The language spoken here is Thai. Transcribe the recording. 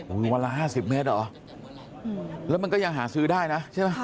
โอ้โหวันละ๕๐เมตรเหรอแล้วมันก็ยังหาซื้อได้นะใช่ไหม